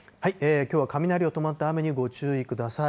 きょうは雷を伴った雨にご注意ください。